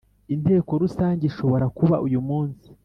Inteko Rusange ishobora kuba uyumunsi